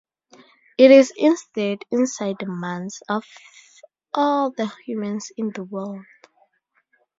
It is instead "inside the minds" of all the humans in the world.